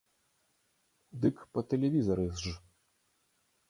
Дык па тэлевізары ж!